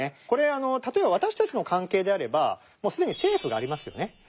これ例えば私たちの関係であればもう既に政府がありますよね。